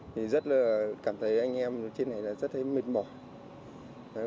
thì rất là cảm thấy anh em trên này rất là mệt mỏi